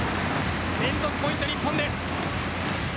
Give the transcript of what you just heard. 連続ポイント、日本です。